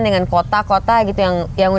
yang menciptakan tentang ketahanan pangan